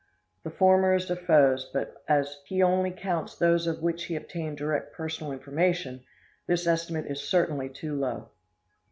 The former is Defoe's, but as he only counts those of which he obtained direct personal information, this estimate is certainly too low.